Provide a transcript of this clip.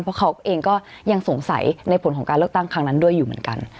เพราะเขาเองก็ยังสงสัยในผลของการเลือกตั้งครั้งนั้นด้วยอยู่เหมือนกัน